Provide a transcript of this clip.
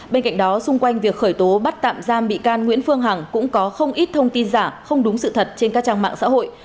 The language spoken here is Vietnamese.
bên cạnh đó xung quanh việc khởi tố bắt tạm giam bị can nguyễn phương hằng cũng có không ít thông tin giả không đúng sự thật trên các trang mạng xã hội